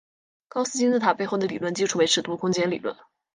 高斯金字塔背后的理论基础为尺度空间理论。